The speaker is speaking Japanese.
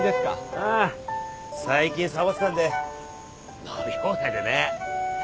ああ最近サボってたんで伸び放題でね。